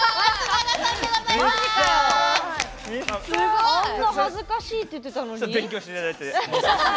あんな恥ずかしいって言ってたのに。